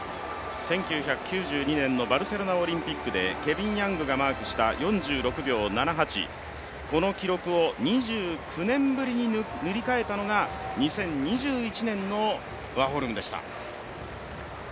１９９２年のバルセロナオリンピックでケビン・ヤングが記録した４６秒７８、この記録を２９年ぶりに塗り替えたのが２０２１年のワーホルムでした。